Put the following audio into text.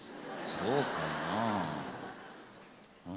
そうかなあ？